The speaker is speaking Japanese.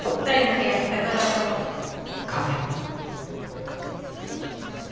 ２人の部屋に飾ろうと思って。